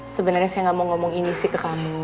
sebenarnya saya nggak mau ngomong ini sih ke kamu